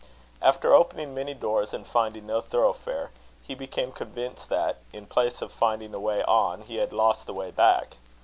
After opening many doors and finding no thoroughfare, he became convinced that, in place of finding a way on, he had lost the way back.